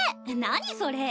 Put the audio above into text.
何それ⁉